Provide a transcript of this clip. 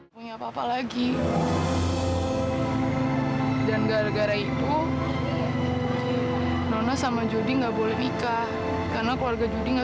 sampai jumpa di video selanjutnya